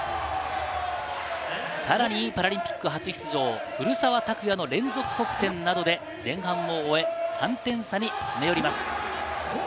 さらにパラリンピック初出場、古澤拓也の連続得点などで前半を終え、３点差に詰め寄ります。